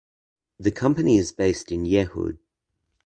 The company is based in Yehud.